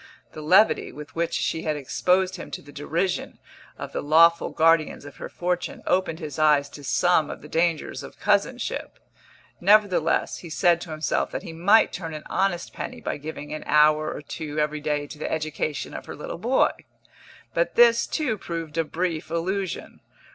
The levity with which she had exposed him to the derision of the lawful guardians of her fortune opened his eyes to some of the dangers of cousinship; nevertheless he said to himself that he might turn an honest penny by giving an hour or two every day to the education of her little boy. But this, too, proved a brief illusion.